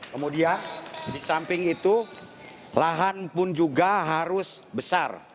kemudian di samping itu lahan pun juga harus besar